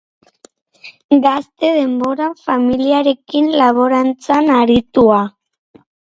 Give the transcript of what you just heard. Gazte denboran familiarekin laborantzan aritua.